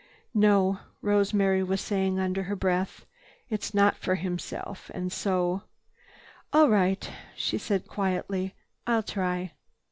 "No," Rosemary was saying under her breath, "it's not for himself. And so—" "All right," she said quietly, "I'll try."